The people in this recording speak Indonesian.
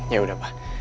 ya udah pa